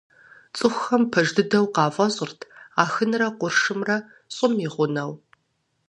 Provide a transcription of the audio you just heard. ЦӀыхухэм пэж дыдэу къафӀэщӀырт Ахынрэ къуршымрэ ЩӀым и гъунэу.